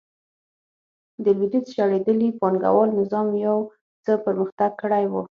د لوېدیځ شړېدلي پانګوال نظام یو څه پرمختګ کړی و.